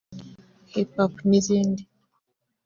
Hiphop n’izindi